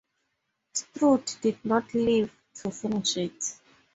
Strutt did not live to finish it.